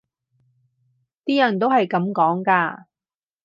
啲人都係噉講㗎